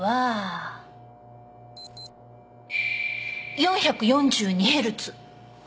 ４４２ヘルツ。